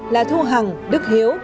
là thu hằng đức hiếu